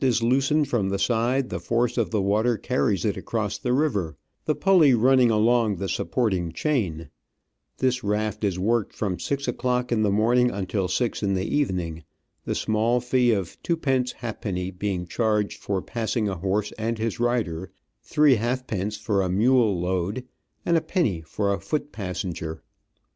is loosened from the side, the force of the water carries it across the river, the pulley running along the sup porting chain ; this raft is worked from six o'clock in the morning until six in the evening, the small fee of twopence halfpenny being charged for passing a horse and his rider, three halfpence for a mule load, and a penny for a foot passenger.